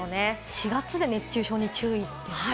４月で熱中症に注意ってね。